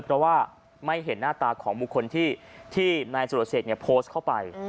เพราะว่าไม่เห็นหน้าตาของบุคคลที่นายสุรเสกโพสต์เข้าไป